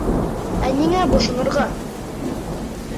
Ә ниңә бошонорға?